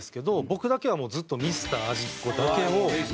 僕だけはもうずっと『ミスター味っ子』だけを。